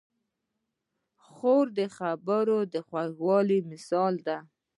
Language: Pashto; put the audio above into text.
خور د خبرو د خوږوالي مثال ده.